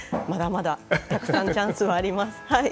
まだまだたくさんチャンスはあります。